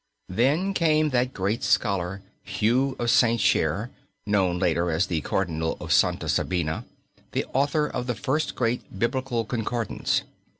Then came that great scholar, Hugh of St. Cher, known later as the Cardinal of Santa Sabina, the author of the first great Biblical Concordance.